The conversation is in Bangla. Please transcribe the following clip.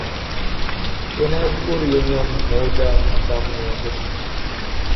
এনায়েতপুর ইউনিয়ন মৌজা/গ্রাম নিয়ে গঠিত।